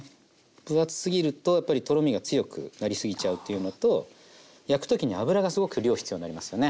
分厚すぎるとやっぱりとろみが強くなりすぎちゃうっていうのと焼く時に油がすごく量必要になりますよね。